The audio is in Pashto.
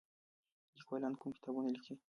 لیکوالان کوم کتابونه لیکي؟